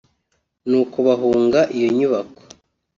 nuko bahunga iyo nyubako